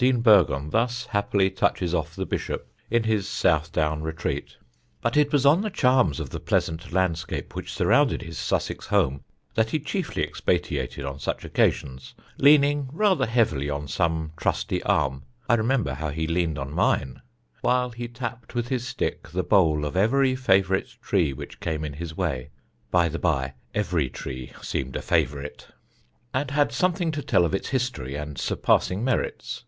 Dean Burgon thus happily touches off the Bishop in his South Down retreat: ... "But it was on the charms of the pleasant landscape which surrounded his Sussex home that he chiefly expatiated on such occasions, leaning rather heavily on some trusty arm (I remember how he leaned on mine!) while he tapped with his stick the bole of every favourite tree which came in his way (by the by, every tree seemed a favourite), and had something to tell of its history and surpassing merits.